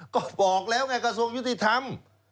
ก็บอกแล้วไงกระทรวงยุติธรรม